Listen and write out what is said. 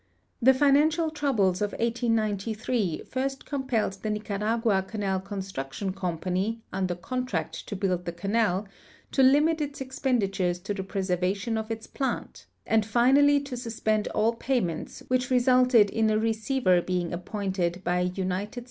The financial troubles of 1893 first compelled the Nicaragua Canal Construction Company, under contract to build the canal, to limit its expenditures to the preservation of its ])lant, and finally to suspend all payments, Avhich resulted in a receiver l)eing appointed b}' a United States court in August, 1893.